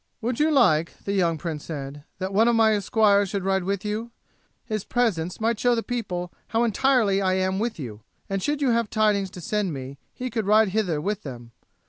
"Would you like," the young prince said, "that one of my esquires should ride with you? His presence might show the people how entirely I am with you; and should you have tidings to send me he could ride hither with them.